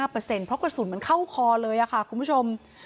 เพราะกระสุนมันเข้าคอเลยค่ะคุณผู้ชม